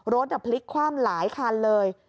รถอัพพลิกความหลายคันเลย